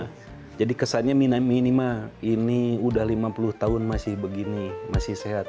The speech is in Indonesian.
ya jadi kesannya minimal ini udah lima puluh tahun masih begini masih sehat